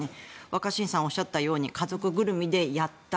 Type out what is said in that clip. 若新さんがおっしゃったように家族ぐるみでやった。